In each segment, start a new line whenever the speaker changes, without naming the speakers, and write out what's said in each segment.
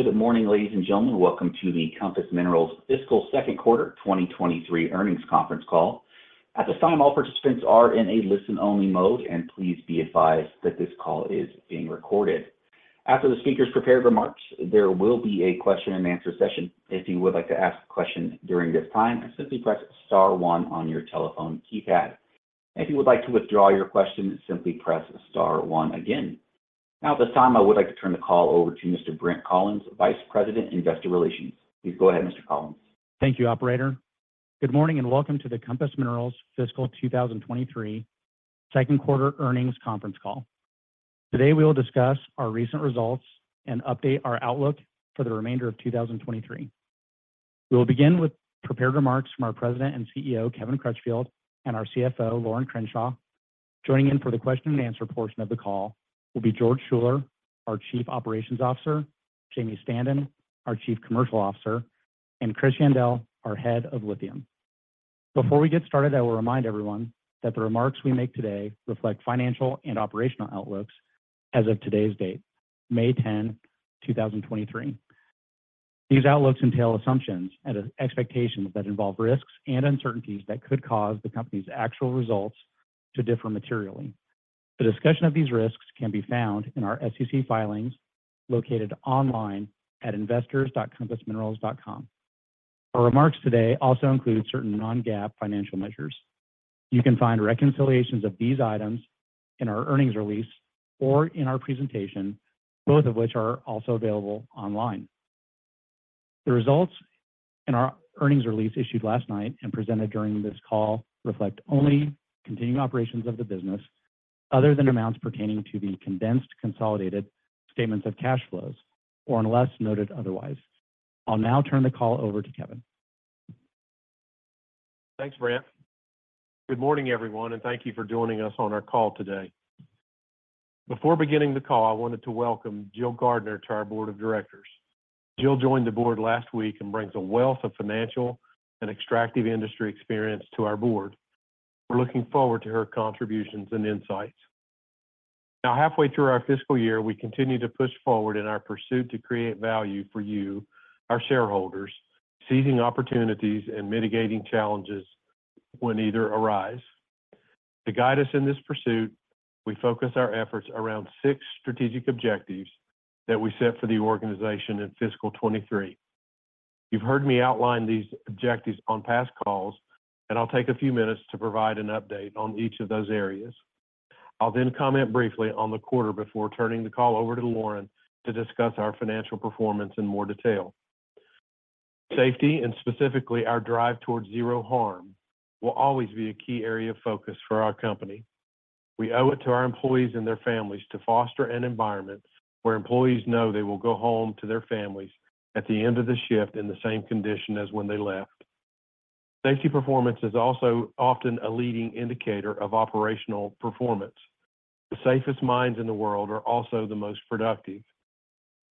Good morning, ladies and gentlemen. Welcome to the Compass Minerals Fiscal Second Quarter 2023 Earnings Conference Call. At this time, all participants are in a listen-only mode, and please be advised that this call is being recorded. After the speaker's prepared remarks, there will be a question-and-answer session. If you would like to ask a question during this time, simply press star one on your telephone keypad. If you would like to withdraw your question, simply press star one again. At this time, I would like to turn the call over to Mr. Brent Collins, Vice President, Investor Relations. Please go ahead, Mr. Collins.
Thank you, operator. Good morning and welcome to the Compass Minerals Fiscal 2023 Second Quarter Earnings Conference Call. Today, we will discuss our recent results and update our outlook for the remainder of 2023. We will begin with prepared remarks from our President and CEO, Kevin Crutchfield, and our CFO, Lorin Crenshaw. Joining in for the question-and-answer portion of the call will be George Schuller, our Chief Operations Officer, Jamie Standen, our Chief Commercial Officer, and Chris Yandell, our Head of Lithium. Before we get started, I will remind everyone that the remarks we make today reflect financial and operational outlooks as of today's date, May 10, 2023. These outlooks entail assumptions and expectations that involve risks and uncertainties that could cause the company's actual results to differ materially. A discussion of these risks can be found in our SEC filings located online atinvestors.compassminerals.com. Our remarks today also include certain non-GAAP financial measures. You can find reconciliations of these items in our earnings release or in our presentation, both of which are also available online. The results in our earnings release issued last night and presented during this call reflect only continuing operations of the business, other than amounts pertaining to the condensed consolidated statements of cash flows or unless noted otherwise. I'll now turn the call over to Kevin.
Thanks, Brent. Good morning, everyone, and thank you for joining us on our call today. Before beginning the call, I wanted to welcome Jill Gardiner to our board of directors. Jill joined the board last week and brings a wealth of financial and extractive industry experience to our board. We're looking forward to her contributions and insights. Now, halfway through our fiscal year, we continue to push forward in our pursuit to create value for you, our shareholders, seizing opportunities and mitigating challenges when either arise. To guide us in this pursuit, we focus our efforts around six strategic objectives that we set for the organization in fiscal 2023. You've heard me outline these objectives on past calls, and I'll take a few minutes to provide an update on each of those areas. I'll comment briefly on the quarter before turning the call over to Lorin to discuss our financial performance in more detail. Safety, specifically our drive towards zero harm, will always be a key area of focus for our company. We owe it to our employees and their families to foster an environment where employees know they will go home to their families at the end of the shift in the same condition as when they left. Safety performance is also often a leading indicator of operational performance. The safest mines in the world are also the most productive.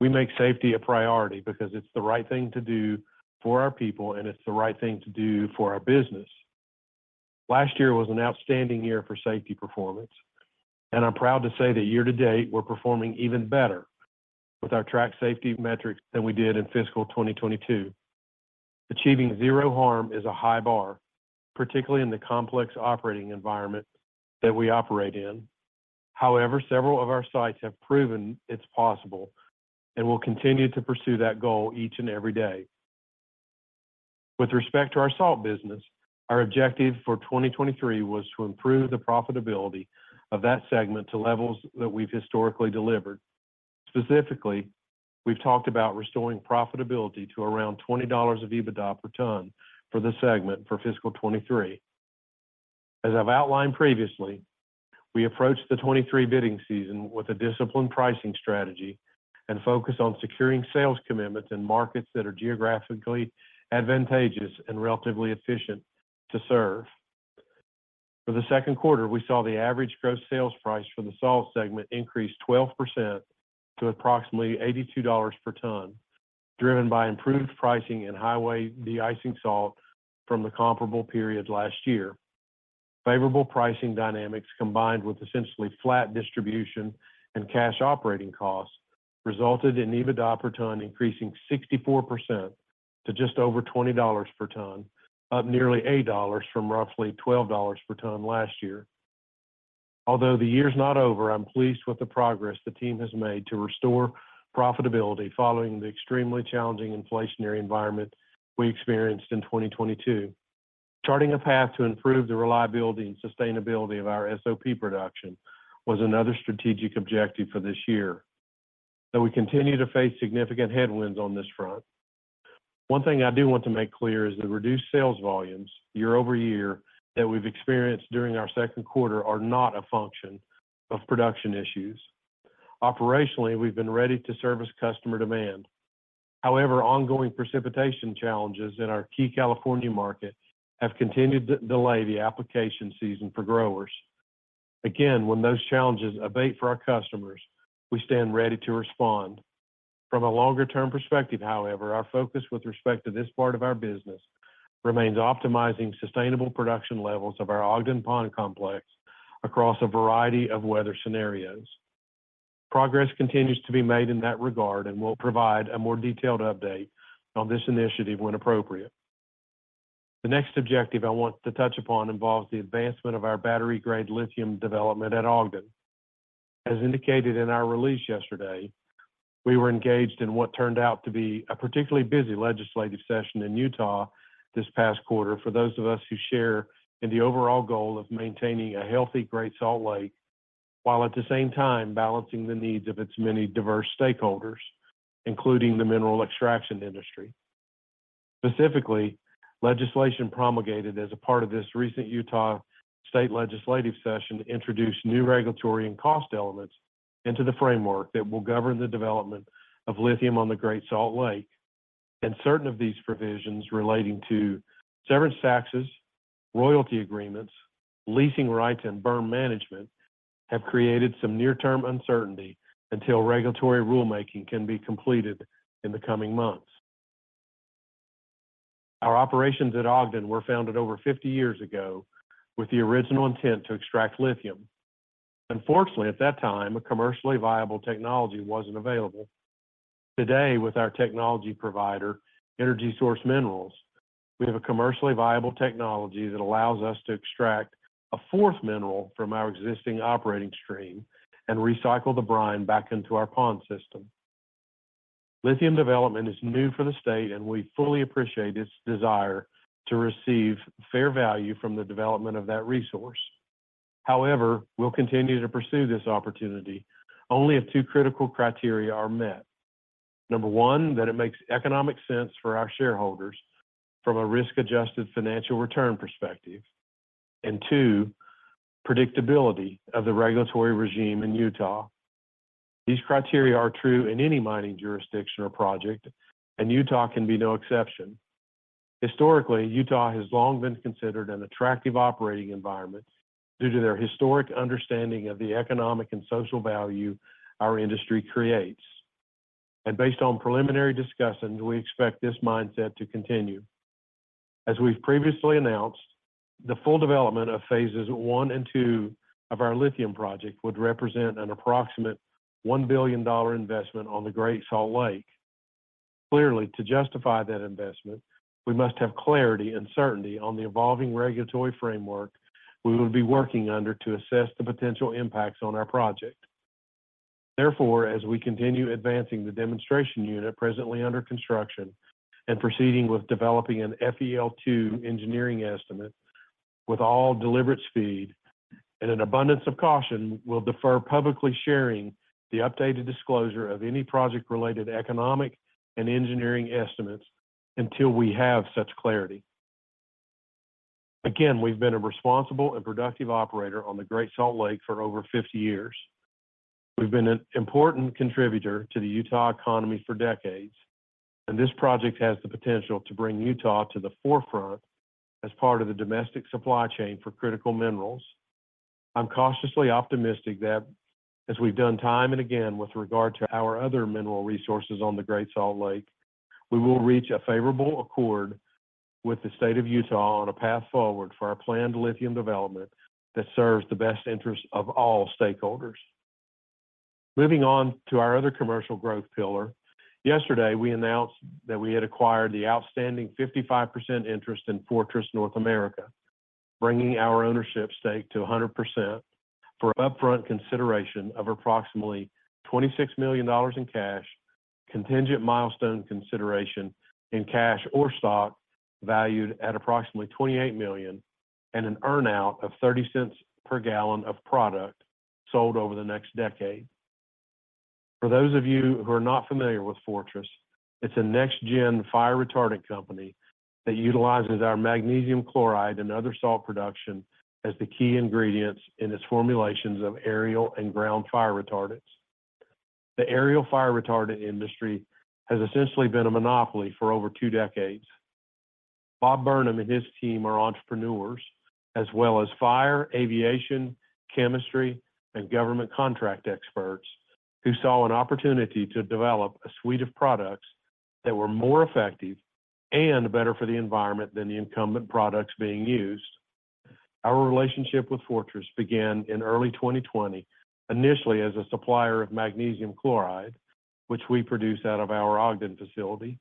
We make safety a priority because it's the right thing to do for our people, and it's the right thing to do for our business. Last year was an outstanding year for safety performance, and I'm proud to say that year to date, we're performing even better with our track safety metrics than we did in fiscal 2022. Achieving zero harm is a high bar, particularly in the complex operating environment that we operate in. However, several of our sites have proven it's possible, and we'll continue to pursue that goal each and every day. With respect to our salt business, our objective for 2023 was to improve the profitability of that segment to levels that we've historically delivered. Specifically, we've talked about restoring profitability to around $20 of EBITDA per ton for this segment for fiscal 2023. As I've outlined previously, we approached the 2023 bidding season with a disciplined pricing strategy and focused on securing sales commitments in markets that are geographically advantageous and relatively efficient to serve. For the second quarter, we saw the average gross sales price for the salt segment increase 12% to approximately $82 per ton, driven by improved pricing in highway de-icing salt from the comparable period last year. Favorable pricing dynamics, combined with essentially flat distribution and cash operating costs, resulted in EBITDA per ton increasing 64% to just over $20 per ton, up nearly $8 from roughly $12 per ton last year. Although the year's not over, I'm pleased with the progress the team has made to restore profitability following the extremely challenging inflationary environment we experienced in 2022. Charting a path to improve the reliability and sustainability of our SOP production was another strategic objective for this year, though we continue to face significant headwinds on this front. One thing I do want to make clear is the reduced sales volumes year-over-year that we've experienced during our second quarter are not a function of production issues. Operationally, we've been ready to service customer demand. However, ongoing precipitation challenges in our key California market have continued to delay the application season for growers. Again, when those challenges abate for our customers, we stand ready to respond. From a longer-term perspective, however, our focus with respect to this part of our business remains optimizing sustainable production levels of our Ogden Pond Complex across a variety of weather scenarios. Progress continues to be made in that regard, and we'll provide a more detailed update on this initiative when appropriate. The next objective I want to touch upon involves the advancement of our battery-grade lithium development at Ogden. As indicated in our release yesterday, we were engaged in what turned out to be a particularly busy legislative session in Utah this past quarter for those of us who share in the overall goal of maintaining a healthy Great Salt Lake while at the same time balancing the needs of its many diverse stakeholders, including the mineral extraction industry. Specifically, legislation promulgated as a part of this recent Utah state legislative session introduced new regulatory and cost elements into the framework that will govern the development of lithium on the Great Salt Lake. Certain of these provisions relating to severance taxes, royalty agreements, leasing rights, and berm management have created some near-term uncertainty until regulatory rulemaking can be completed in the coming months. Our operations at Ogden were founded over 50 years ago with the original intent to extract lithium. Unfortunately, at that time, a commercially viable technology wasn't available. Today, with our technology provider, EnergySource Minerals, we have a commercially viable technology that allows us to extract a fourth mineral from our existing operating stream and recycle the brine back into our pond system. Lithium development is new for the state, and we fully appreciate its desire to receive fair value from the development of that resource. However, we'll continue to pursue this opportunity only if two critical criteria are met. Number one, that it makes economic sense for our shareholders from a risk-adjusted financial return perspective. two, predictability of the regulatory regime in Utah. These criteria are true in any mining jurisdiction or project, and Utah can be no exception. Historically, Utah has long been considered an attractive operating environment due to their historic understanding of the economic and social value our industry creates. Based on preliminary discussions, we expect this mindset to continue. As we've previously announced, the full development of phases I and II of our lithium project would represent an approximate one billion-dollar investment on the Great Salt Lake. Clearly, to justify that investment, we must have clarity and certainty on the evolving regulatory framework we would be working under to assess the potential impacts on our project. Therefore, as we continue advancing the demonstration unit presently under construction and proceeding with developing an FEL2 engineering estimate with all deliberate speed and an abundance of caution, we'll defer publicly sharing the updated disclosure of any project-related economic and engineering estimates until we have such clarity. Again, we've been a responsible and productive operator on the Great Salt Lake for over 50 years. We've been an important contributor to the Utah economy for decades. This project has the potential to bring Utah to the forefront as part of the domestic supply chain for critical minerals. I'm cautiously optimistic that as we've done time and again with regard to our other mineral resources on the Great Salt Lake, we will reach a favorable accord with the state of Utah on a path forward for our planned lithium development that serves the best interest of all stakeholders. Moving on to our other commercial growth pillar, yesterday we announced that we had acquired the outstanding 55% interest in Fortress North America, bringing our ownership stake to 100% for upfront consideration of approximately $26 million in cash, contingent milestone consideration in cash or stock valued at approximately $28 million, and an earn-out of $0.30 per gallon of product sold over the next decade. For those of you who are not familiar with Fortress, it's a next-gen fire retardant company that utilizes our magnesium chloride and other salt production as the key ingredients in its formulations of aerial and ground fire retardants. The aerial fire retardant industry has essentially been a monopoly for over two decades. Bob Burnham and his team are entrepreneurs as well as fire, aviation, chemistry, and government contract experts who saw an opportunity to develop a suite of products that were more effective and better for the environment than the incumbent products being used. Our relationship with Fortress began in early 2020, initially as a supplier of magnesium chloride, which we produce out of our Ogden facility.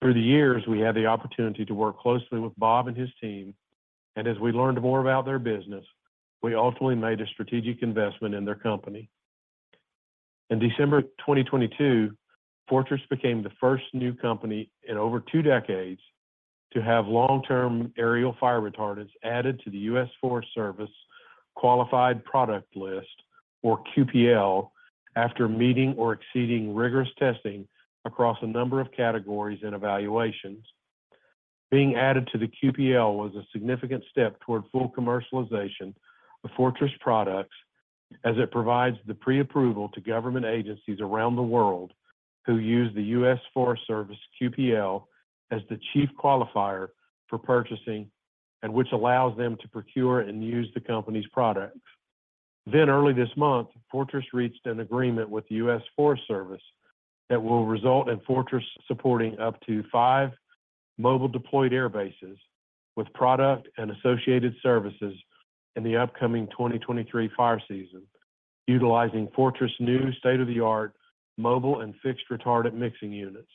Through the years, we had the opportunity to work closely with Bob and his team, and as we learned more about their business, we ultimately made a strategic investment in their company. In December 2022, Fortress became the first new company in over two decades to have long-term aerial fire retardants added to the U.S. Forest Service Qualified Product List, or QPL, after meeting or exceeding rigorous testing across a number of categories and evaluations. Being added to the QPL was a significant step toward full commercialization of Fortress products as it provides the pre-approval to government agencies around the world who use the U.S. Forest Service QPL as the chief qualifier for purchasing and which allows them to procure and use the company's products. Early this month, Fortress reached an agreement with the U.S. Forest Service that will result in Fortress supporting up to five mobile deployed air bases with product and associated services in the upcoming 2023 fire season, utilizing Fortress' new state-of-the-art mobile and fixed retardant mixing units.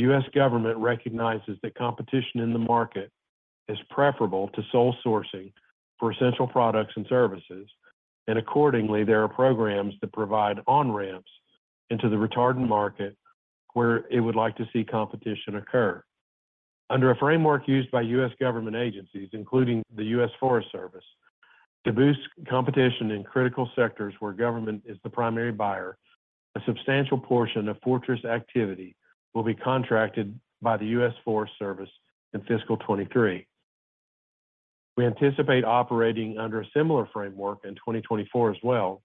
The U.S. government recognizes that competition in the market is preferable to sole sourcing for essential products and services, and accordingly, there are programs that provide on-ramps into the retardant market where it would like to see competition occur. Under a framework used by U.S. government agencies, including the U.S. Forest Service, to boost competition in critical sectors where government is the primary buyer, a substantial portion of Fortress activity will be contracted by the U.S. Forest Service in fiscal 2023. We anticipate operating under a similar framework in 2024 as well,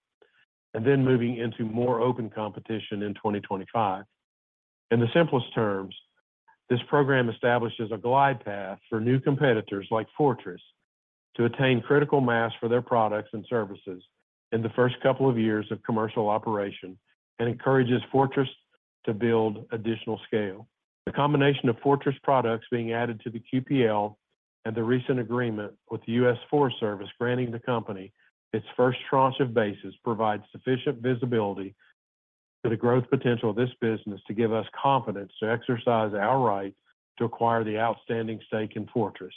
and then moving into more open competition in 2025. In the simplest terms, this program establishes a glide path for new competitors like Fortress to attain critical mass for their products and services in the first couple of years of commercial operation, and encourages Fortress to build additional scale. The combination of Fortress products being added to the QPL and the recent agreement with the U.S. Forest Service granting the company its first tranche of bases provides sufficient visibility to the growth potential of this business to give us confidence to exercise our right to acquire the outstanding stake in Fortress.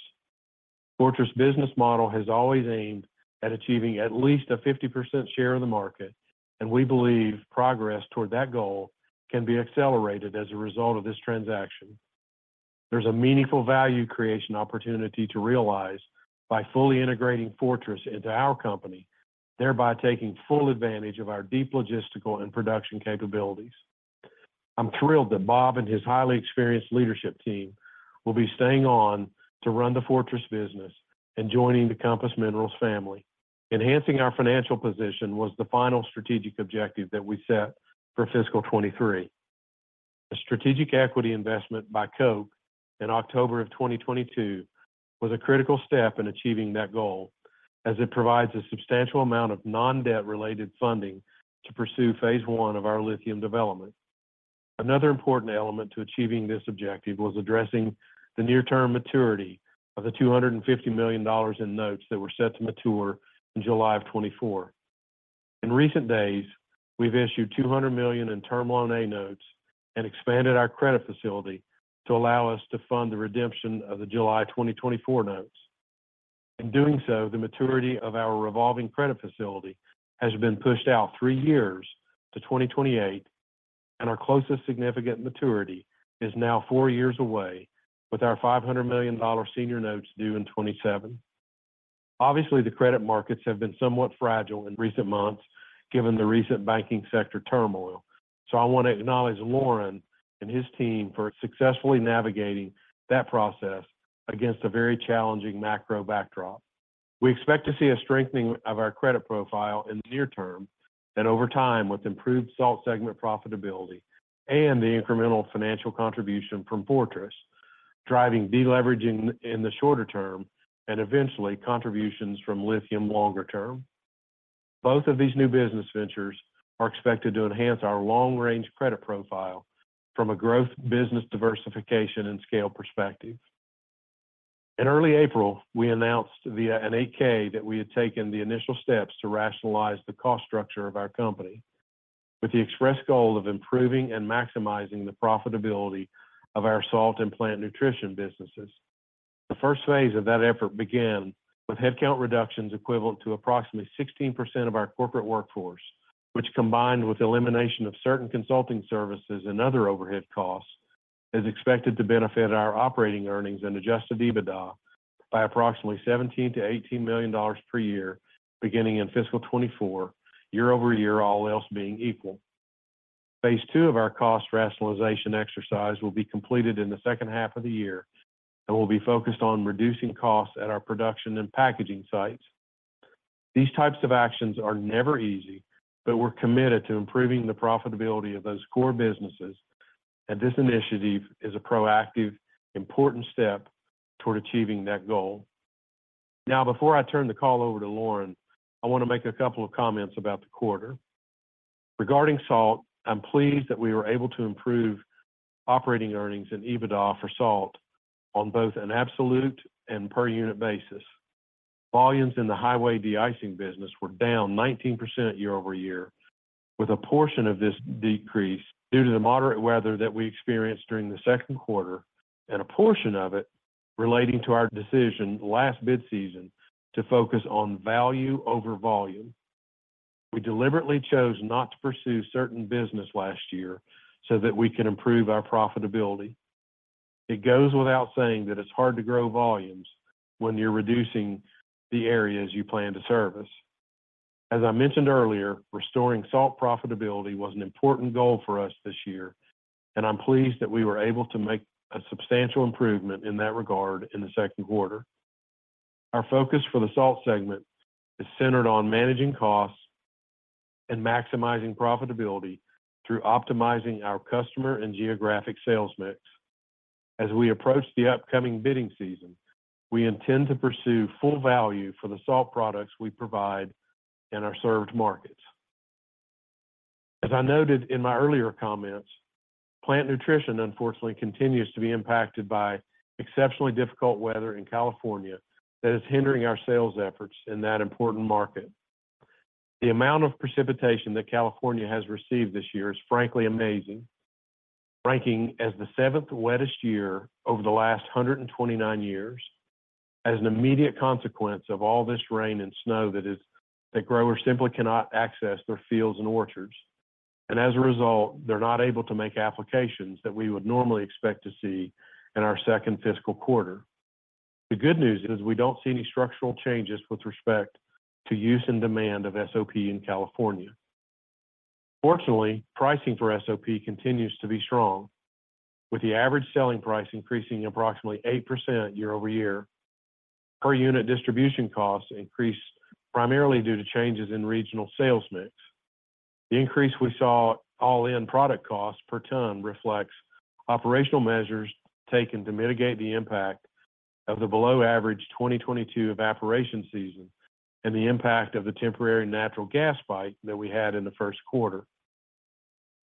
Fortress business model has always aimed at achieving at least a 50% share of the market, and we believe progress toward that goal can be accelerated as a result of this transaction. There's a meaningful value creation opportunity to realize by fully integrating Fortress into our company, thereby taking full advantage of our deep logistical and production capabilities. I'm thrilled that Bob and his highly experienced leadership team will be staying on to run the Fortress business and joining the Compass Minerals family. Enhancing our financial position was the final strategic objective that we set for fiscal 2023. A strategic equity investment by Koch in October 2022 was a critical step in achieving that goal, as it provides a substantial amount of non-debt-related funding to pursue phase I of our lithium development. Another important element to achieving this objective was addressing the near-term maturity of the $250 million in notes that were set to mature in July 2024. In recent days, we've issued $200 million in Term Loan A notes and expanded our credit facility to allow us to fund the redemption of the July 2024 notes. In doing so, the maturity of our revolving credit facility has been pushed out three years to 2028, and our closest significant maturity is now four years away with our $500 million senior notes due in 2027. Obviously, the credit markets have been somewhat fragile in recent months given the recent banking sector turmoil. I want to acknowledge Lorin and his team for successfully navigating that process against a very challenging macro backdrop. We expect to see a strengthening of our credit profile in the near term and over time with improved salt segment profitability and the incremental financial contribution from Fortress, driving deleveraging in the shorter term and eventually contributions from lithium longer term. Both of these new business ventures are expected to enhance our long-range credit profile from a growth business diversification and scale perspective. In early April, we announced via an 8-K that we had taken the initial steps to rationalize the cost structure of our company with the express goal of improving and maximizing the profitability of our salt and plant nutrition businesses. The first phase of that effort began with headcount reductions equivalent to approximately 16% of our corporate workforce, which, combined with elimination of certain consulting services and other overhead costs, is expected to benefit our operating earnings and Adjusted EBITDA by approximately $17 million-$18 million per year beginning in fiscal 2024, year-over-year, all else being equal. Phase II of our cost rationalization exercise will be completed in the second half of the year and will be focused on reducing costs at our production and packaging sites. These types of actions are never easy, but we're committed to improving the profitability of those core businesses, and this initiative is a proactive, important step toward achieving that goal. Before I turn the call over to Lorin, I want to make a couple of comments about the quarter. Regarding salt, I'm pleased that we were able to improve operating earnings and EBITDA for salt on both an absolute and per unit basis. Volumes in the highway de-icing business were down 19% year-over-year, with a portion of this decrease due to the moderate weather that we experienced during the second quarter and a portion of it relating to our decision last bid season to focus on value over volume. We deliberately chose not to pursue certain business last year so that we can improve our profitability. It goes without saying that it's hard to grow volumes when you're reducing the areas you plan to service. As I mentioned earlier, restoring salt profitability was an important goal for us this year, and I'm pleased that we were able to make a substantial improvement in that regard in the second quarter. Our focus for the salt segment is centered on managing costs and maximizing profitability through optimizing our customer and geographic sales mix. As we approach the upcoming bidding season, we intend to pursue full value for the salt products we provide in our served markets. As I noted in my earlier comments, plant nutrition unfortunately continues to be impacted by exceptionally difficult weather in California that is hindering our sales efforts in that important market. The amount of precipitation that California has received this year is frankly amazing, ranking as the seventh wettest year over the last 129 years. As an immediate consequence of all this rain and snow that is, the growers simply cannot access their fields and orchards. As a result, they're not able to make applications that we would normally expect to see in our second fiscal quarter. The good news is we don't see any structural changes with respect to use and demand of SOP in California. Fortunately, pricing for SOP continues to be strong, with the average selling price increasing approximately 8% year-over-year. Per unit distribution costs increased primarily due to changes in regional sales mix. The increase we saw all-in product costs per ton reflects operational measures taken to mitigate the impact of the below average 2022 evaporation season and the impact of the temporary natural gas spike that we had in the first quarter.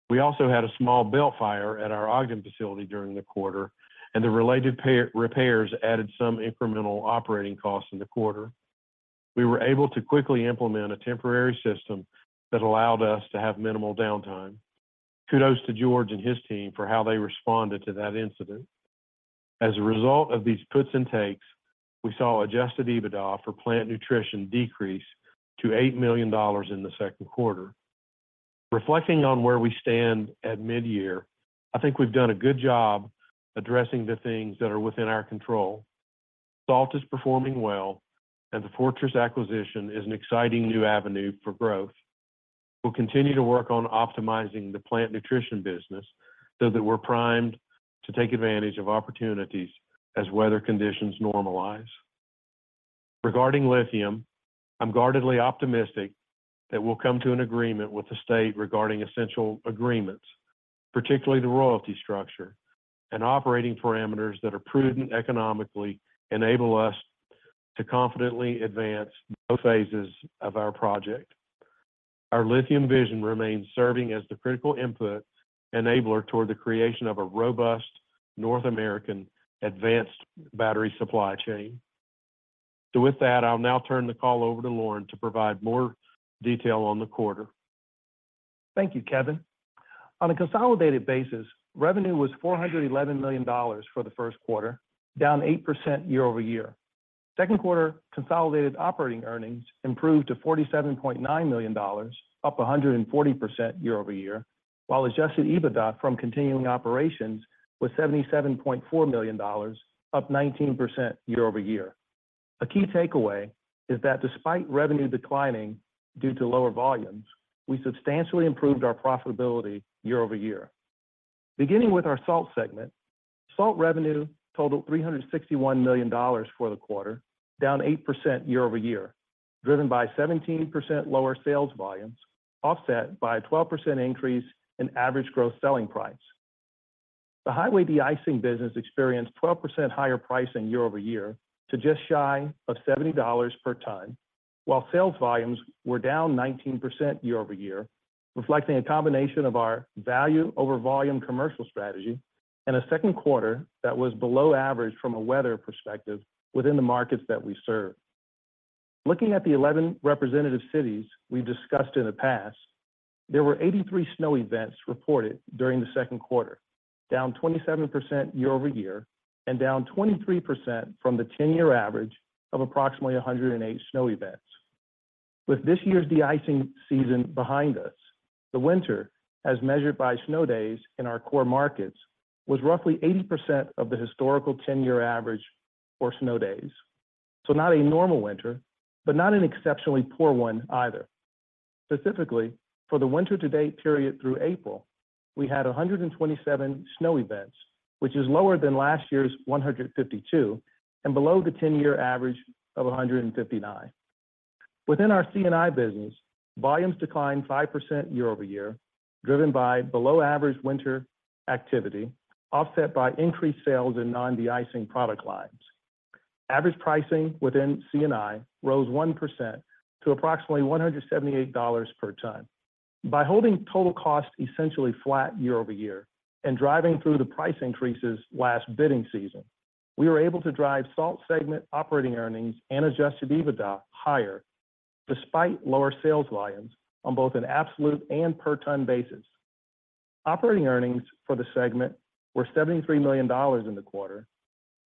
We also had a small belt fire at our Ogden facility during the quarter. The related repairs added some incremental operating costs in the quarter. We were able to quickly implement a temporary system that allowed us to have minimal downtime. Kudos to George and his team for how they responded to that incident. As a result of these puts and takes, we saw Adjusted EBITDA for plant nutrition decrease to $8 million in the second quarter. Reflecting on where we stand at mid-year, I think we've done a good job addressing the things that are within our control. Salt is performing well, and the Fortress acquisition is an exciting new avenue for growth. We'll continue to work on optimizing the plant nutrition business so that we're primed to take advantage of opportunities as weather conditions normalize. Regarding lithium, I'm guardedly optimistic that we'll come to an agreement with the state regarding essential agreements, particularly the royalty structure and operating parameters that are prudent economically enable us to confidently advance both phases of our project. Our lithium vision remains serving as the critical input enabler toward the creation of a robust North American advanced battery supply chain. With that, I'll now turn the call over to Lorin to provide more detail on the quarter.
Thank you, Kevin. On a consolidated basis, revenue was $411 million for the first quarter, down 8% year-over-year. Second quarter consolidated operating earnings improved to $47.9 million, up 140% year-over-year, while Adjusted EBITDA from continuing operations was $77.4 million, up 19% year-over-year. A key takeaway is that despite revenue declining due to lower volumes, we substantially improved our profitability year-over-year. Beginning with our salt segment, salt revenue totaled $361 million for the quarter, down 8% year-over-year, driven by 17% lower sales volumes, offset by a 12% increase in average gross selling price. The highway de-icing business experienced 12% higher pricing year-over-year to just shy of $70 per ton, while sales volumes were down 19% year-over-year, reflecting a combination of our value over volume commercial strategy and a second quarter that was below average from a weather perspective within the markets that we serve. Looking at the 11 representative cities we discussed in the past, there were 83 snow events reported during the second quarter, down 27% year-over-year and down 23% from the 10-year average of approximately 108 snow events. With this year's de-icing season behind us, the winter, as measured by snow days in our core markets, was roughly 80% of the historical 10-year average for snow days. Not a normal winter, but not an exceptionally poor one either. Specifically, for the winter to date period through April, we had 127 snow events, which is lower than last year's 152 and below the 10-year average of 159. Within our C&I business, volumes declined 5% year-over-year, driven by below average winter activity, offset by increased sales in non-de-icing product lines. Average pricing within C&I rose 1% to approximately $178 per ton. By holding total cost essentially flat year-over-year and driving through the price increases last bidding season, we were able to drive salt segment operating earnings and Adjusted EBITDA higher despite lower sales volumes on both an absolute and per ton basis. Operating earnings for the segment were $73 million in the quarter,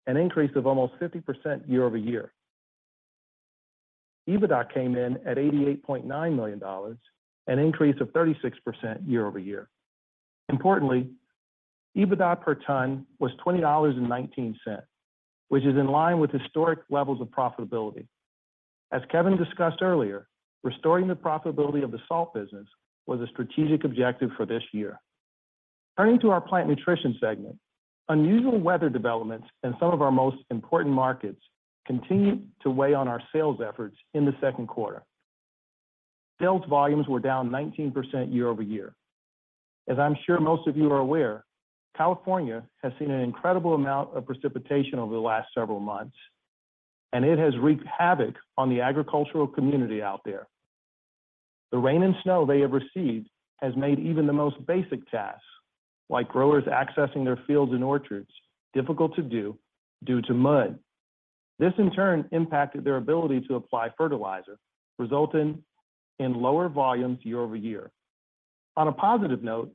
an increase of almost 50% year-over-year. EBITDA came in at $88.9 million, an increase of 36% year-over-year. Importantly, EBITDA per ton was $20.19, which is in line with historic levels of profitability. As Kevin discussed earlier, restoring the profitability of the salt business was a strategic objective for this year. Turning to our plant nutrition segment. Unusual weather developments in some of our most important markets continued to weigh on our sales efforts in the second quarter. Sales volumes were down 19% year-over-year. As I'm sure most of you are aware, California has seen an incredible amount of precipitation over the last several months, it has wreaked havoc on the agricultural community out there. The rain and snow they have received has made even the most basic tasks, like growers accessing their fields and orchards, difficult to do due to mud. This, in turn, impacted their ability to apply fertilizer, resulting in lower volumes year-over-year. On a positive note,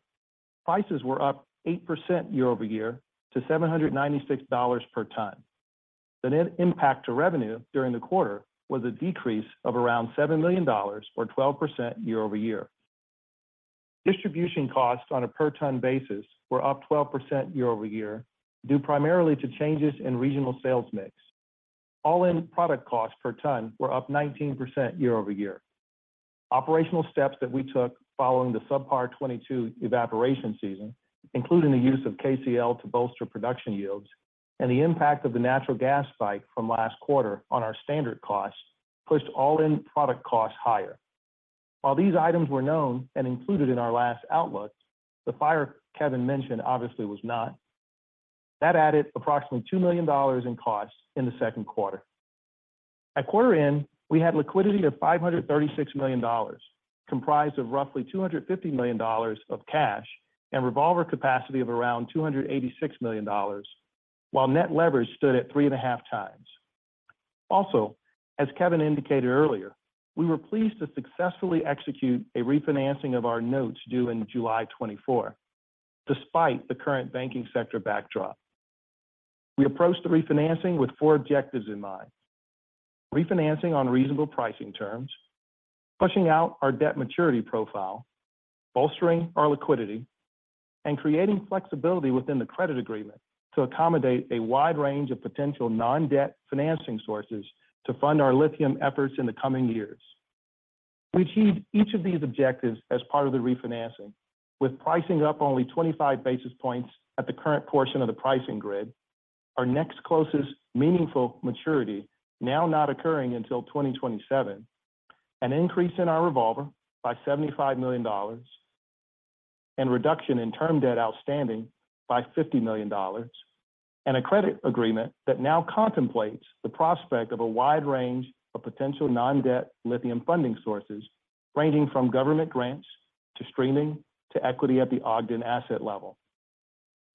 prices were up 8% year-over-year to $796 per ton. The net impact to revenue during the quarter was a decrease of around $7 million or 12% year-over-year. Distribution costs on a per ton basis were up 12% year-over-year, due primarily to changes in regional sales mix. All-in product costs per ton were up 19% year-over-year. Operational steps that we took following the subpar 2022 evaporation season, including the use of KCl to bolster production yields and the impact of the natural gas spike from last quarter on our standard costs, pushed all-in product costs higher. While these items were known and included in our last outlook, the fire Kevin mentioned obviously was not. That added approximately $2 million in costs in the second quarter. At quarter end, we had liquidity of $536 million, comprised of roughly $250 million of cash and revolver capacity of around $286 million, while net leverage stood at 3.5x. As Kevin indicated earlier, we were pleased to successfully execute a refinancing of our notes due in July 2024, despite the current banking sector backdrop. We approached the refinancing with four objectives in mind: refinancing on reasonable pricing terms, pushing out our debt maturity profile, bolstering our liquidity, and creating flexibility within the credit agreement to accommodate a wide range of potential non-debt financing sources to fund our lithium efforts in the coming years. We achieved each of these objectives as part of the refinancing, with pricing up only 25 basis points at the current portion of the pricing grid. Our next closest meaningful maturity now not occurring until 2027, an increase in our revolver by $75 million and reduction in term debt outstanding by $50 million. A credit agreement that now contemplates the prospect of a wide range of potential non-debt lithium funding sources ranging from government grants to streaming to equity at the Ogden asset level.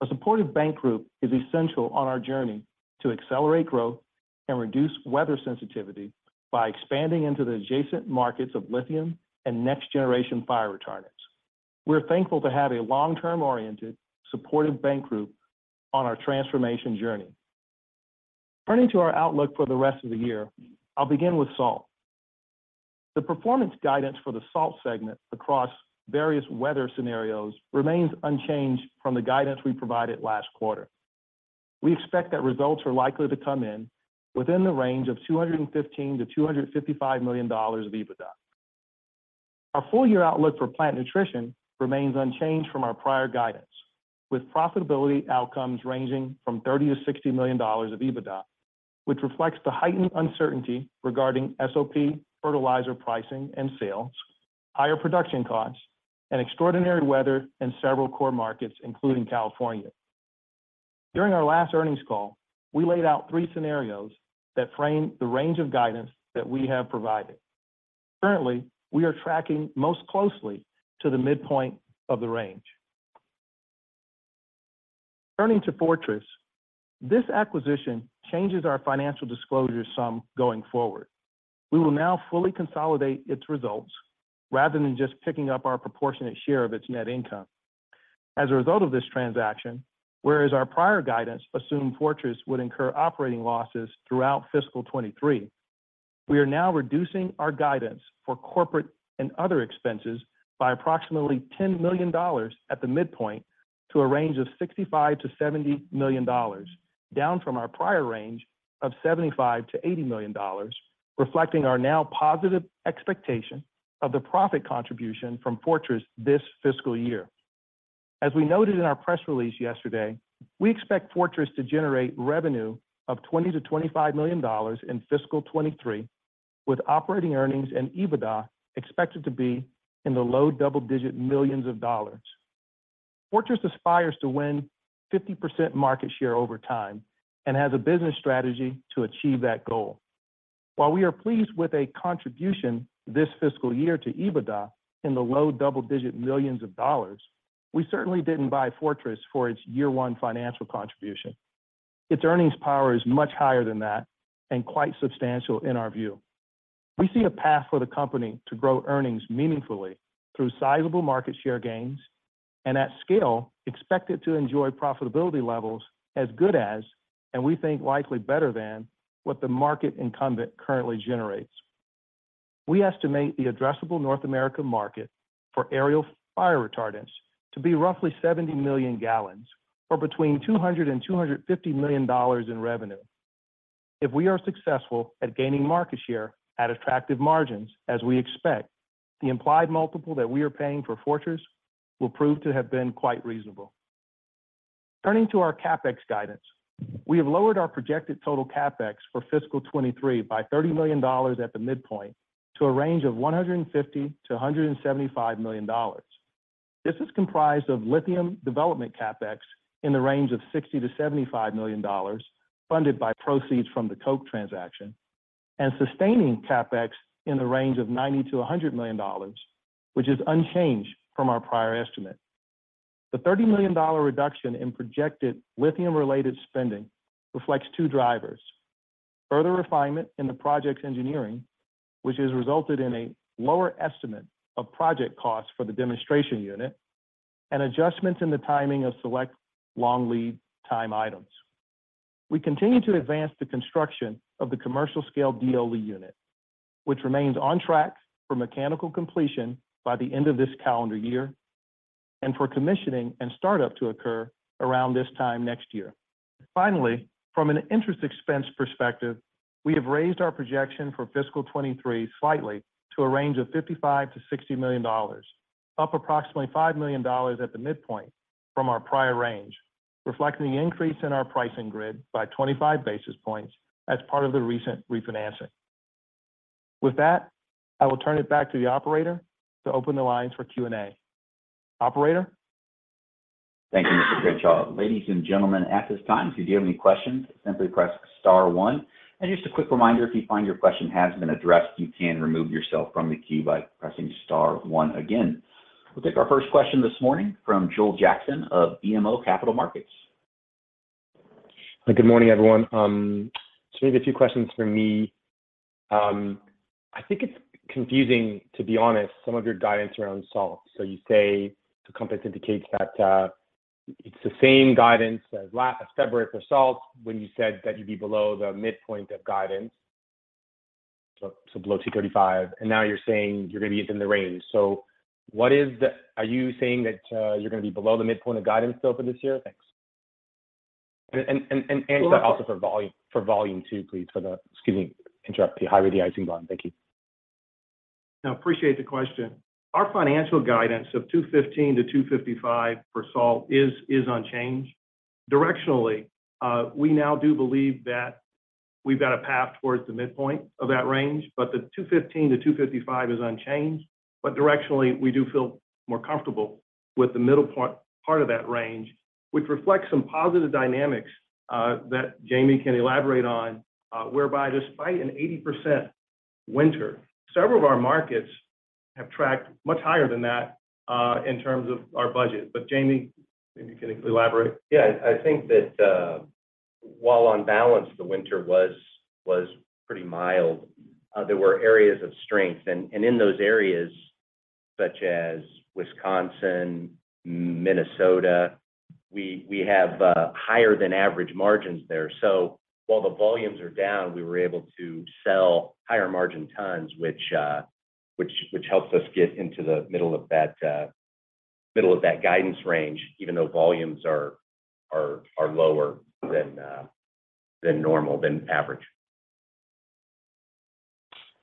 A supportive bank group is essential on our journey to accelerate growth and reduce weather sensitivity by expanding into the adjacent markets of lithium and next generation fire retardants. We're thankful to have a long-term-oriented, supportive bank group on our transformation journey. Turning to our outlook for the rest of the year, I'll begin with salt. The performance guidance for the salt segment across various weather scenarios remains unchanged from the guidance we provided last quarter. We expect that results are likely to come in within the range of $215 million-$255 million of EBITDA. Our full year outlook for plant nutrition remains unchanged from our prior guidance, with profitability outcomes ranging from $30 million-$60 million of EBITDA, which reflects the heightened uncertainty regarding SOP, fertilizer pricing and sales, higher production costs, and extraordinary weather in several core markets, including California. During our last earnings call, we laid out three scenarios that frame the range of guidance that we have provided. Currently, we are tracking most closely to the midpoint of the range. Turning to Fortress. This acquisition changes our financial disclosure some going forward. We will now fully consolidate its results rather than just picking up our proportionate share of its net income. As a result of this transaction, whereas our prior guidance assumed Fortress would incur operating losses throughout fiscal 2023, we are now reducing our guidance for corporate and other expenses by approximately $10 million at the midpoint to a range of $65 million-$70 million, down from our prior range of $75 million-$80 million, reflecting our now positive expectation of the profit contribution from Fortress this fiscal year. As we noted in our press release yesterday, we expect Fortress to generate revenue of $20 million-$25 million in fiscal 2023, with operating earnings and EBITDA expected to be in the low double-digit millions of dollars. Fortress aspires to win 50% market share over time and has a business strategy to achieve that goal. While we are pleased with a contribution this fiscal year to EBITDA in the low double-digit millions of dollars, we certainly didn't buy Fortress for its year one financial contribution. Its earnings power is much higher than that and quite substantial in our view. We see a path for the company to grow earnings meaningfully through sizable market share gains and at scale expected to enjoy profitability levels as good as, and we think likely better than, what the market incumbent currently generates. We estimate the addressable North American market for aerial fire retardants to be roughly 70 million gallons, or between $200 million-$250 million in revenue. If we are successful at gaining market share at attractive margins as we expect, the implied multiple that we are paying for Fortress will prove to have been quite reasonable. Turning to our CapEx guidance, we have lowered our projected total CapEx for fiscal 2023 by $30 million at the midpoint to a range of $150 million-$175 million. This is comprised of lithium development CapEx in the range of $60 million-$75 million, funded by proceeds from the Koch transaction, and sustaining CapEx in the range of $90 million-$100 million, which is unchanged from our prior estimate. The $30 million reduction in projected lithium-related spending reflects two drivers: further refinement in the project's engineering, which has resulted in a lower estimate of project costs for the demonstration unit, and adjustments in the timing of select long lead time items. We continue to advance the construction of the commercial scale DLE unit, which remains on track for mechanical completion by the end of this calendar year, and for commissioning and startup to occur around this time next year. From an interest expense perspective, we have raised our projection for fiscal 2023 slightly to a range of $55 million-$60 million, up approximately $5 million at the midpoint from our prior range, reflecting the increase in our pricing grid by 25 basis points as part of the recent refinancing. I will turn it back to the operator to open the lines for Q&A. Operator?
Thank you, Mr. Crutchfield. Ladies and gentlemen, at this time, if you do have any questions, simply press star one. Just a quick reminder, if you find your question has been addressed, you can remove yourself from the queue by pressing star 1 again. We'll take our first question this morning from Joel Jackson of BMO Capital Markets.
Good morning, everyone. Maybe a few questions from me. I think it's confusing, to be honest, some of your guidance around salt. You say the confidence indicates that it's the same guidance as February for salt when you said that you'd be below the midpoint of guidance, below 235, and now you're saying you're gonna be within the range. Are you saying that you're gonna be below the midpoint of guidance still for this year? Thanks. Also for volume too, please. Excuse me, interrupt the highway de-icing volume. Thank you.
No, appreciate the question. Our financial guidance of $215 million-$255 million for salt is unchanged. Directionally, we now do believe that we've got a path towards the midpoint of that range, but the $215 million-$255 million is unchanged. Directionally, we do feel more comfortable with the middle part of that range, which reflects some positive dynamics that Jamie can elaborate on, whereby despite an 80% winter, several of our markets have tracked much higher than that in terms of our budget. Jamie, maybe you can elaborate.
Yeah. I think that, while on balance the winter was pretty mild, there were areas of strength. In those areas such as Wisconsin, Minnesota, we have higher than average margins there. While the volumes are down, we were able to sell higher margin tons, which helps us get into the middle of that guidance range, even though volumes are lower than normal, than average.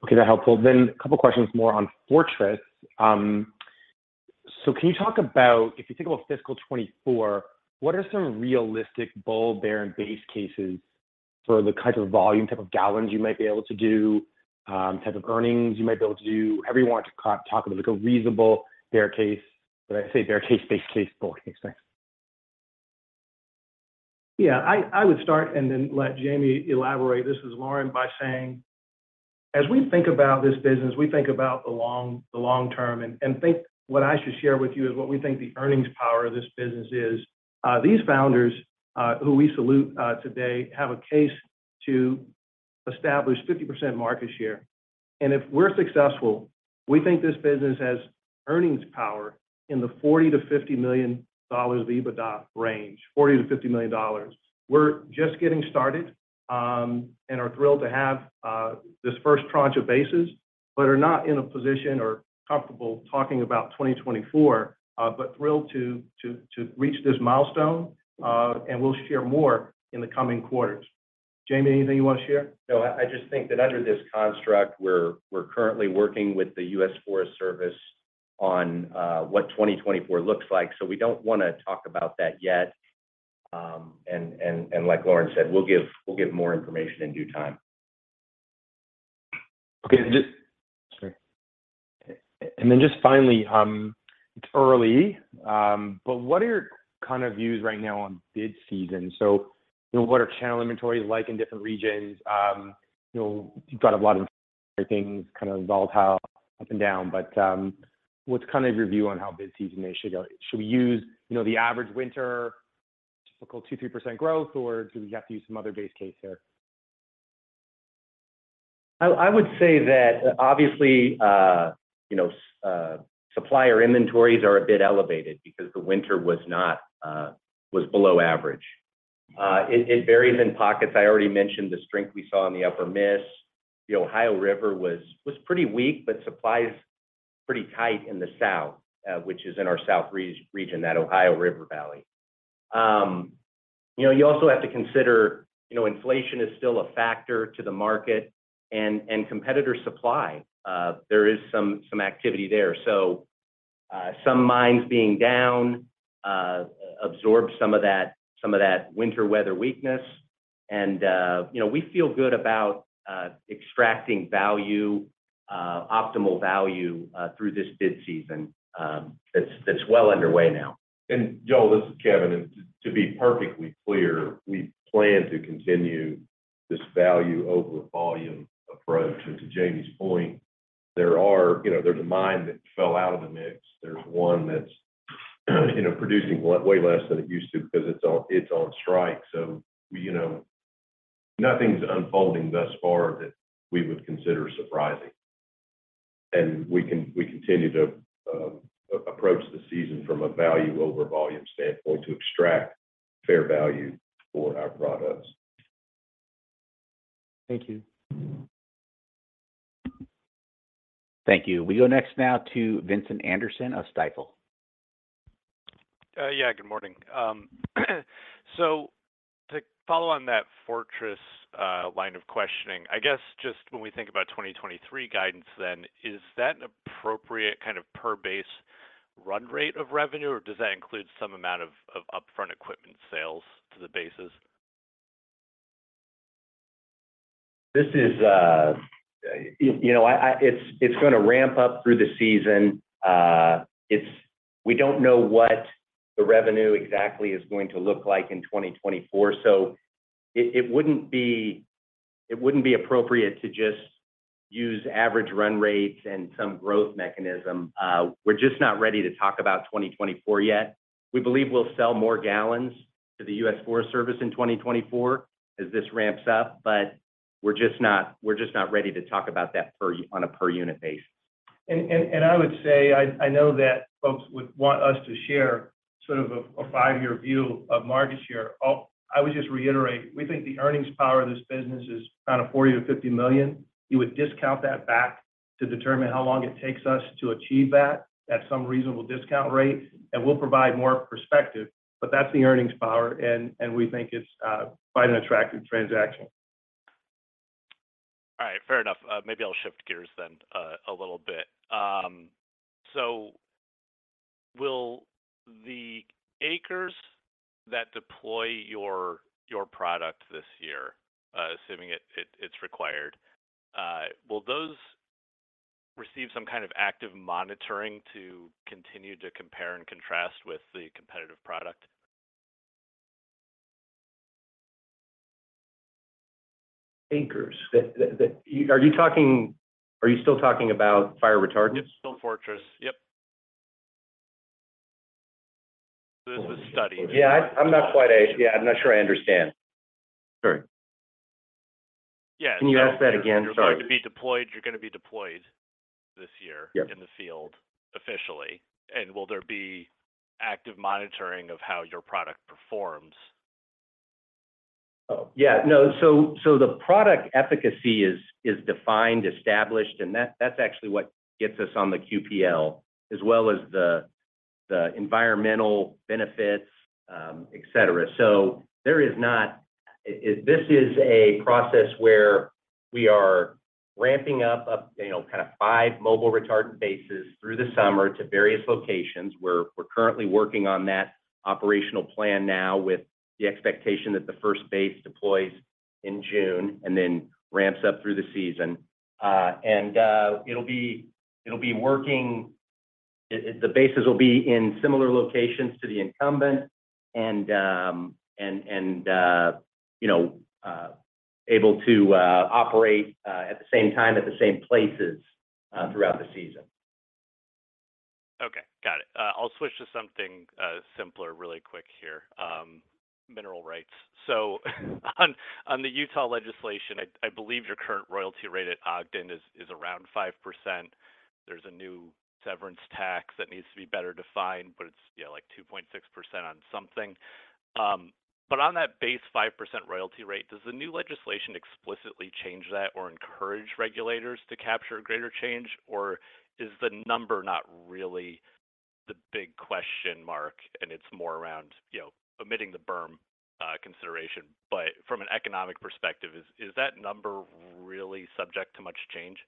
Okay. That's helpful. A couple questions more on Fortress. Can you talk about if you think about fiscal 2024, what are some realistic bull, bear, and base cases for the kinds of volume type of gallons you might be able to do, type of earnings you might be able to do? However you want to talk about it, like a reasonable bear case. Did I say bear case? Base case for Fortress. Thanks.
I would start and then let Jamie elaborate, this is Lorin, by saying as we think about this business, we think about the long term. I think what I should share with you is what we think the earnings power of this business is. These founders, who we salute today, have a case to establish 50% market share. If we're successful, we think this business has earnings power in the $40 million-$50 million EBITDA range, $40 million-$50 million. We're just getting started and are thrilled to have this first tranche of bases, but are not in a position or comfortable talking about 2024. Thrilled to reach this milestone and we'll share more in the coming quarters. Jamie, anything you want to share?
No. I just think that under this construct, we're currently working with the U.S. Forest Service on what 2024 looks like. We don't wanna talk about that yet. And like Lorin said, we'll give more information in due time.
Okay. Just Sorry. Just finally, it's early, but what are your kind of views right now on bid season? You know, what are channel inventories like in different regions? You know, you've got a lot of things kind of volatile up and down, but what's kind of your view on how bid season should go? Should we use, you know, the average winter typical 2%-3% growth, or do we have to use some other base case here?
I would say that obviously, you know, supplier inventories are a bit elevated because the winter was not below average. It varies in pockets. I already mentioned the strength we saw in the Upper Miss. The Ohio River was pretty weak. Supplies pretty tight in the south, which is in our south region, that Ohio River Valley. You know, you also have to consider, you know, inflation is still a factor to the market and competitor supply. There is some activity there. Some mines being down, absorb some of that winter weather weakness. You know, we feel good about extracting value, optimal value, through this bid season, that's well underway now.
Joel, this is Kevin. To be perfectly clear, we plan to continue this value over volume approach. To Jamie's point, there are, you know, there's a mine that fell out of the mix. There's one that's, you know, producing way less than it used to because it's on strike. You know, nothing's unfolding thus far that we would consider surprising. We continue to approach the season from a value over volume standpoint to extract fair value for our products.
Thank you.
Thank you. We go next now to Vincent Anderson of Stifel.
Yeah, good morning. To follow on that Fortress, line of questioning, I guess just when we think about 2023 guidance then, is that an appropriate kind of per base run rate of revenue, or does that include some amount of upfront equipment sales to the bases?
This is, you know, it's gonna ramp up through the season. We don't know what the revenue exactly is going to look like in 2024. It, it wouldn't be, it wouldn't be appropriate to just use average run rates and some growth mechanism. We're just not ready to talk about 2024 yet. We believe we'll sell more gallons to the U.S. Forest Service in 2024 as this ramps up. We're just not ready to talk about that on a per unit basis.
I would say, I know that folks would want us to share sort of a five-year view of market share. I would just reiterate, we think the earnings power of this business is kind of $40 million-$50 million. You would discount that back to determine how long it takes us to achieve that at some reasonable discount rate, and we'll provide more perspective, but that's the earnings power, and we think it's quite an attractive transaction.
Fair enough. Maybe I'll shift gears then, a little bit. Will the acres that deploy your product this year, assuming it's required, will those receive some kind of active monitoring to continue to compare and contrast with the competitive product?
Acres? That... Are you still talking about fire retardant?
Yep, still Fortress. Yep.
Yeah, I'm not sure I understand. Sorry.
Yeah, no.
Can you ask that again? Sorry.
You're going to be deployed this year.
Yep.
in the field officially. Will there be active monitoring of how your product performs?
Yeah. No. The product efficacy is defined, established, and that's actually what gets us on the QPL as well as the environmental benefits, et cetera. There is not. This is a process where we are ramping up, you know, kind of five mobile retardant bases through the summer to various locations. We're currently working on that operational plan now with the expectation that the first base deploys in June and then ramps up through the season. It'll be working. The bases will be in similar locations to the incumbent and, you know, able to operate at the same time, at the same places throughout the season.
Okay. Got it. I'll switch to something simpler really quick here. Mineral rights. On the Utah legislation, I believe your current royalty rate at Ogden is around 5%. There's a new severance tax that needs to be better defined. It's, yeah, like 2.6% on something. On that base 5% royalty rate, does the new legislation explicitly change that or encourage regulators to capture greater change? Is the number not really the big question mark, and it's more around, you know, omitting the berm consideration? From an economic perspective, is that number really subject to much change?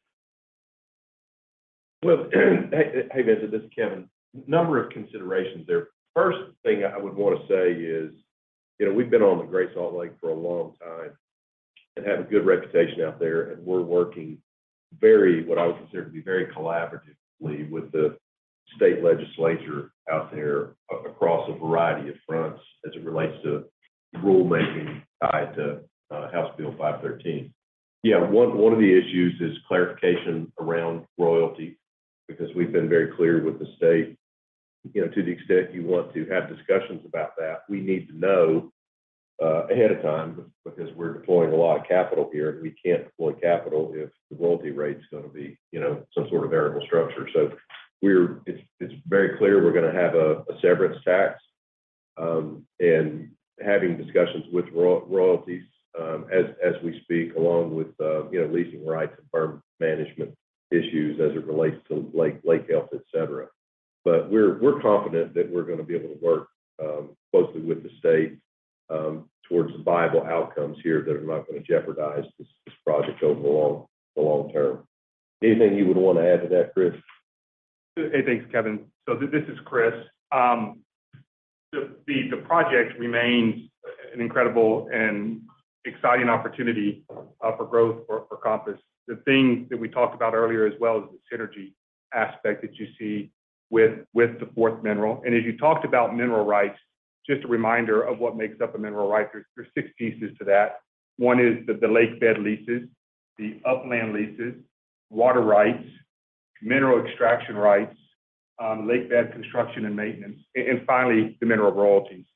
Well, hey, Vincent. This is Kevin. Number of considerations there. First thing I would want to say is, you know, we've been on the Great Salt Lake for a long time and have a good reputation out there, and we're working very, what I would consider to be very collaboratively with the state legislature out there across a variety of fronts as it relates to rulemaking tied to House Bill 513. One of the issues is clarification around royalty, because we've been very clear with the state, you know, to the extent you want to have discussions about that, we need to know ahead of time, because we're deploying a lot of capital here, and we can't deploy capital if the royalty rate's gonna be, you know, some sort of variable structure. It's very clear we're gonna have a severance tax. having discussions with royalties as we speak, along with, you know, leasing rights and berm management issues as it relates to lake health, et cetera. We're confident that we're gonna be able to work closely with the state towards viable outcomes here that are not gonna jeopardize this project over the long term. Anything you would wanna add to that, Chris?
Hey, thanks Kevin. This is Chris. The project remains an incredible and exciting opportunity for growth for Compass. The thing that we talked about earlier, as well as the synergy aspect that you see with the fourth mineral, and as you talked about mineral rights, just a reminder of what makes up a mineral right. There's six pieces to that. One is the lake bed leases, the upland leases, water rights, mineral extraction rights, lake bed construction and maintenance, and finally, the mineral royalties.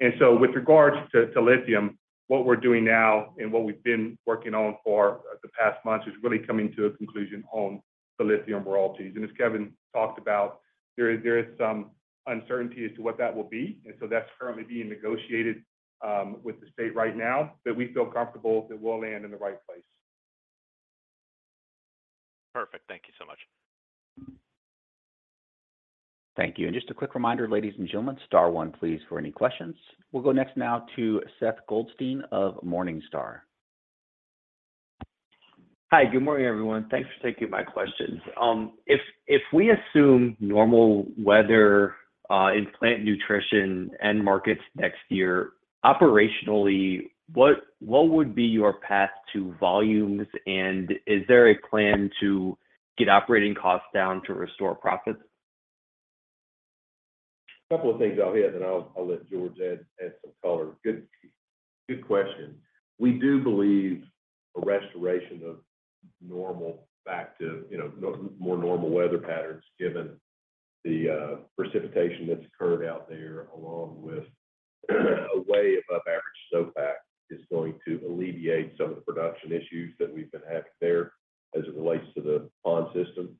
With regards to lithium, what we're doing now and what we've been working on for the past months is really coming to a conclusion on the lithium royalties. As Kevin talked about, there is some uncertainty as to what that will be. That's currently being negotiated, with the state right now, but we feel comfortable that we'll land in the right place.
Perfect. Thank you so much.
Thank you. Just a quick reminder, ladies and gentlemen, star one, please, for any questions. We'll go next now to Seth Goldstein of Morningstar.
Hi. Good morning, everyone. Thanks for taking my questions. If we assume normal weather in plant nutrition and markets next year, operationally, what would be your path to volumes? Is there a plan to get operating costs down to restore profits?
A couple of things I'll hit, then I'll let George add some color. Good question. We do believe a restoration of normal back to, you know, more normal weather patterns, given the precipitation that's occurred out there, along with a way of above average snowpack, is going to alleviate some of the production issues that we've been having there as it relates to the pond system.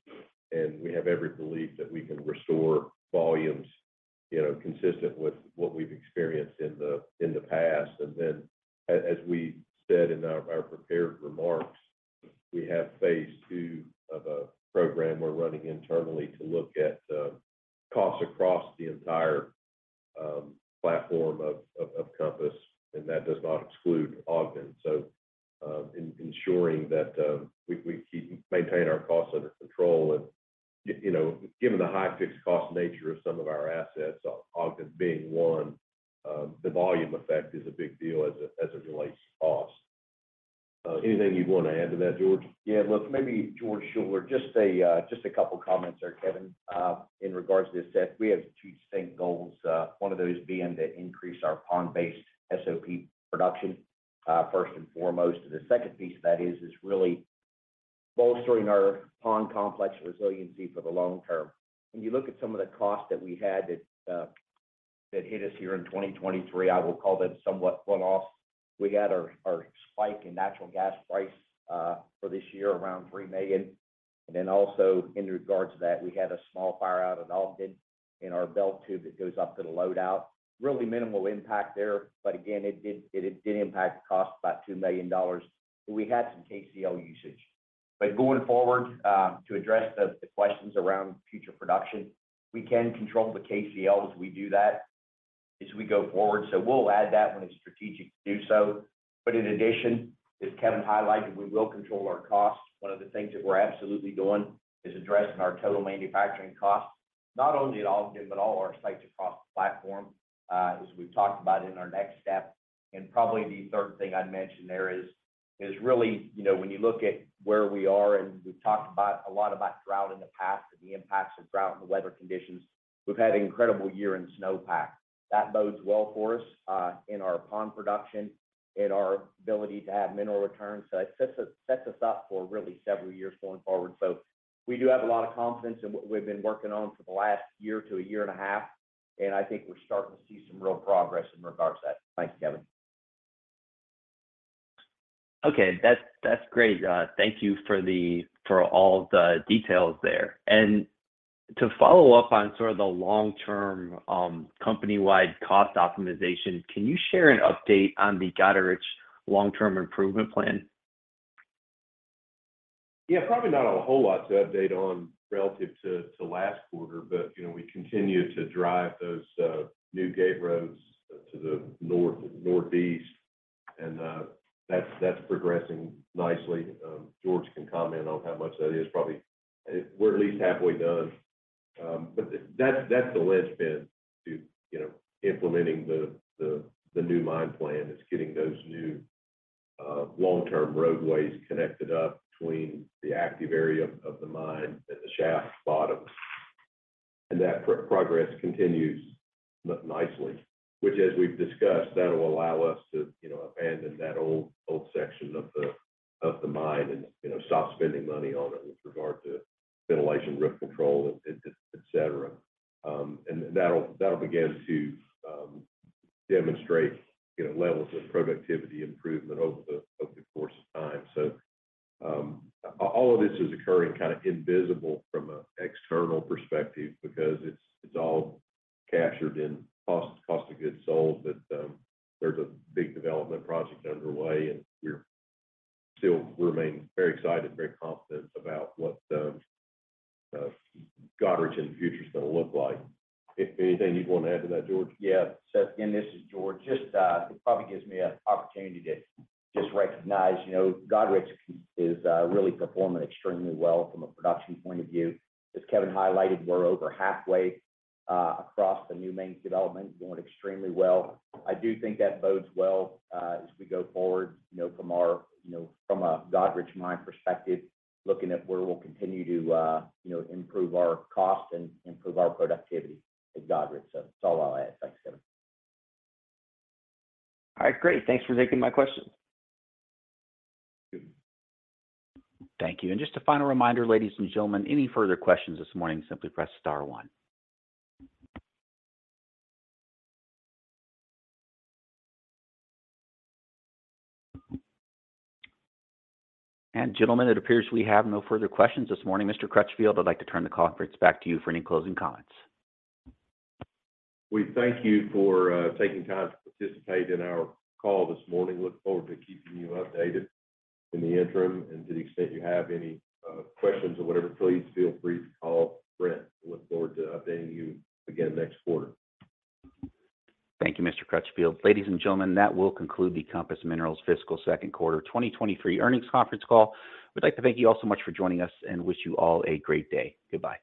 We have every belief that we can restore volumes, you know, consistent with what we've experienced in the past. As we said in our prepared remarks, we have phase II of a program we're running internally to look at costs across the entire platform of Compass, and that does not exclude Ogden. Ensuring that we maintain our costs under control. You know, given the high fixed cost nature of some of our assets, Ogden being one, the volume effect is a big deal as it relates to cost. Anything you'd wanna add to that, George?
Maybe, George Schuller. Just a couple comments there, Kevin, in regards to this, Seth. We have two distinct goals, one of those being to increase our pond-based SOP production, first and foremost. The second piece of that is really bolstering our pond complex resiliency for the long term. When you look at some of the costs that we had that hit us here in 2023, I will call that somewhat one-off. We had our spike in natural gas price for this year around $3 million. Also in regards to that, we had a small fire out at Ogden in our belt tube that goes up to the loadout. Really minimal impact there, but again, it did impact cost by $2 million. We had some KCl usage. Going forward, to address the questions around future production, we can control the KCl as we do that, as we go forward. We'll add that when it's strategic to do so. In addition, as Kevin highlighted, we will control our costs. One of the things that we're absolutely doing is addressing our total manufacturing costs, not only at Ogden, but all our sites across the platform, as we've talked about in our next step. Probably the third thing I'd mention there is really, you know, when you look at where we are, and we've talked about a lot about drought in the past and the impacts of drought and the weather conditions. We've had an incredible year in snowpack. That bodes well for us, in our pond production and our ability to have mineral returns. It sets us up for really several years going forward. We do have a lot of confidence in what we've been working on for the last year to a year and a half, and I think we're starting to see some real progress in regards to that. Thanks, Kevin.
Okay. That's great. Thank you for all the details there. To follow up on sort of the long-term, company-wide cost optimization, can you share an update on the Goderich long-term improvement plan?
Yeah. Probably not a whole lot to update on relative to last quarter, but, you know, we continue to drive those new gate roads to the north, northeast, and that's progressing nicely. George can comment on how much that is. Probably we're at least halfway done. But that's the lens been to, you know, implementing the new mine plan is getting those new long-term roadways connected up between the active area of the mine and the shaft bottoms. That progress continues nicely, which as we've discussed, that'll allow us to, you know, abandon that old section of the mine and, you know, stop spending money on it with regard to ventilation, roof control, et cetera. And that'll begin to demonstrate, you know, levels of productivity improvement over the course of time. All of this is occurring kinda invisible from an external perspective because it's all captured in costs, cost of goods sold. There's a big development project underway, and we're still remain very excited and very confident about what Goderich in the future is gonna look like. Anything you'd wanna add to that, George?
Yeah. Seth, again, this is George. Just, it probably gives me an opportunity to just recognize, you know, Goderich is really performing extremely well from a production point of view. As Kevin highlighted, we're over halfway across the new main development, going extremely well. I do think that bodes well as we go forward, you know, from our, you know, from a Goderich mine perspective, looking at where we'll continue to, you know, improve our cost and improve our productivity at Goderich. That's all I'll add. Thanks, Kevin.
All right, great. Thanks for taking my questions.
Thank you. Just a final reminder, ladies and gentlemen, any further questions this morning, simply press star one. Gentlemen, it appears we have no further questions this morning. Mr. Crutchfield, I'd like to turn the conference back to you for any closing comments.
We thank you for taking time to participate in our call this morning. Look forward to keeping you updated in the interim. To the extent you have any questions or whatever, please feel free to call Brent. Look forward to updating you again next quarter.
Thank you, Mr. Crutchfield. Ladies and gentlemen, that will conclude the Compass Minerals Fiscal Second Quarter 2023 Earnings Conference Call. We'd like to thank you all so much for joining us and wish you all a great day. Goodbye.